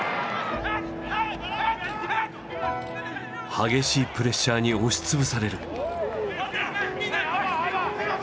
激しいプレッシャーに押し潰される。